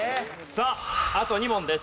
さああと２問です。